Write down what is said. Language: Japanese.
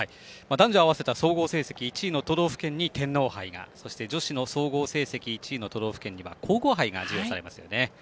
男女合わせた総合成績１位の都道府県に天皇杯がそして、女子の総合成績１位の都道府県には皇后杯が授与されますよね。